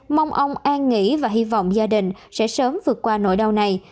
mong ông an nghỉ và hy vọng gia đình sẽ sớm vượt qua nỗi đau này